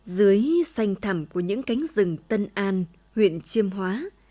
dưới xanh thầm của những cánh rừng tân an huyện chiêm hóa